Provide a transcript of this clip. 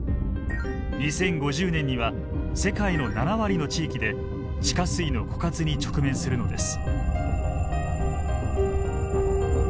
２０５０年には世界の７割の地域で地下水の枯渇に直面するのです。